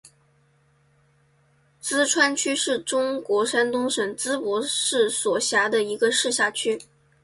淄川区是中国山东省淄博市所辖的一个市辖区。